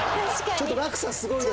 ちょっと落差すごいですよ。